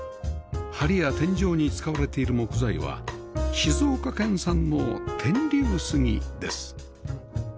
梁や天井に使われている木材は静岡県産の天竜杉です